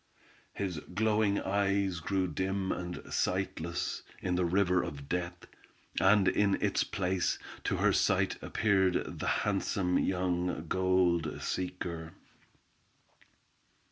His glowing eyes grew dim and sightless, in the river of death, and in its place, to her sight appeared the handsome young gold seeker.